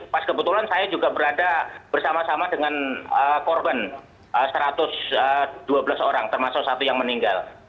pas kebetulan saya juga berada bersama sama dengan korban satu ratus dua belas orang termasuk satu yang meninggal